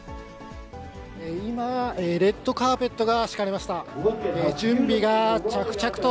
今、レッドカーペットが敷かれました。